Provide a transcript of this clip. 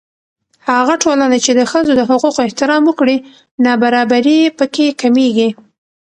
هغه ټولنه چې د ښځو د حقوقو احترام وکړي، نابرابري په کې کمېږي.